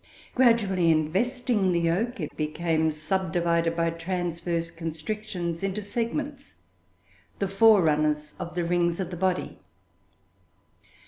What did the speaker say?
Gradually investing the yolk, it became subdivided by transverse constrictions into segments, the forerunners of the rings of the body.